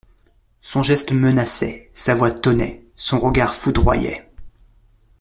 Son geste menaçait, sa voix tonnait, son regard foudroyait.